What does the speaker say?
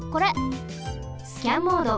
スキャンモード。